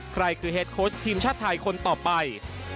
ใครคือเฮดโค้ชทีมชาติไทยคนต่อไป